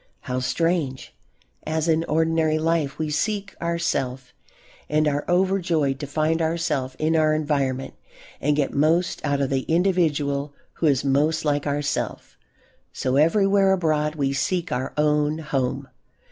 How strange! As in ordinary life we seek ourself and are overjoyed to find ourself in our environment and get most out of the individual who is most like ourself, so everywhere abroad we seek our own home.